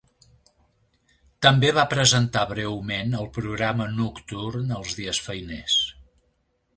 També va presentar breument el programa nocturn els dies feiners.